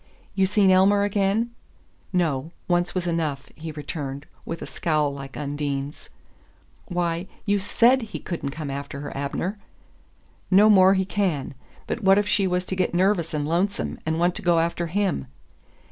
"You seen Elmer again?" "No. Once was enough," he returned, with a scowl like Undine's. "Why you SAID he couldn't come after her, Abner!" "No more he can. But what if she was to get nervous and lonesome, and want to go after him?"